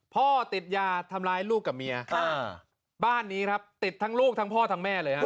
พ่อติดยาทำร้ายลูกกับเมียบ้านนี้ครับติดทั้งลูกทั้งพ่อทั้งแม่เลยฮะ